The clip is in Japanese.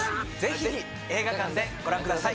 ぜひ映画館でご覧ください。